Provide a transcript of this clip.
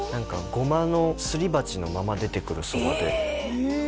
胡麻のすり鉢のまま出てくるそばでえ！